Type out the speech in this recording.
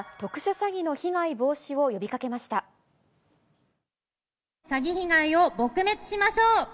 詐欺被害を撲滅しましょう。